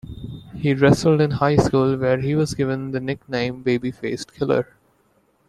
He wrestled in high school, where he was given the nickname "Baby-Faced Killer".